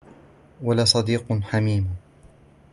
ولا صديق حميم